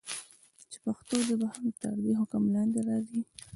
چې پښتو ژبه هم تر دي حکم لاندي راځي.